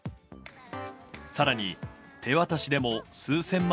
更に手渡しでも数千万